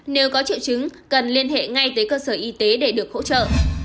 nếu có triệu chứng cần liên hệ ngay tới cơ sở y tế để được hỗ trợ